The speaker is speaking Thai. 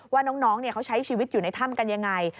ว่าน้องเขาใช้ชีวิตอยู่ในถ้ำกันยังไง